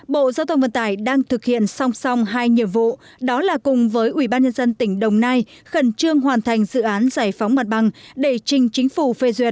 bộ giao thông vân tải đang thực hiện song song hai nhiệm vụ đó là cùng với ubnd tỉnh đồng nai khẩn trương hoàn thành dự án giải phóng mặt bằng để trình chính phủ phê duyệt